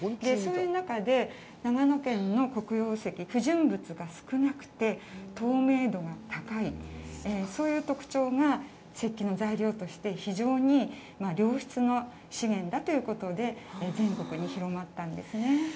そういう中で長野県の黒曜石、不純物が少なくて透明度が高いそういう特徴が、石器の材料として非常に良質な資源だということで全国に広まったんですね。